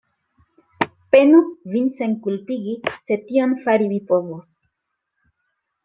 Penu vin senkulpigi, se tion fari vi povos.